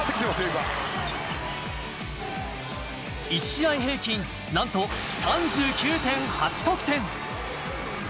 １試合平均、なんと３９．８得点。